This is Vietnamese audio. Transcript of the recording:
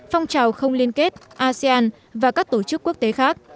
phong trào không liên kết asean và các tổ chức quốc tế khác